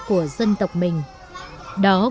của dân tộc mình đó